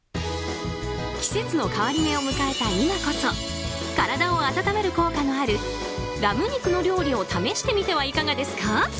季節の変わり目を迎えた今こそ体を温める効果のあるラム肉の料理を試してみてはいかがですか？